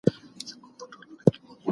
پدې سیستم کي وړیا سرټیفیکیټ هم ورکول کیږي.